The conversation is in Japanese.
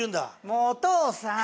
もうお父さん